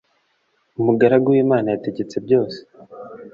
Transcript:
Umugaragu w imana yategetse byose